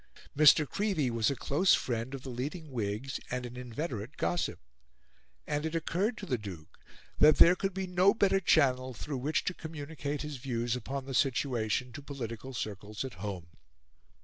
Mr. Creevey was a close friend of the leading Whigs and an inveterate gossip; and it occurred to the Duke that there could be no better channel through which to communicate his views upon the situation to political circles at home.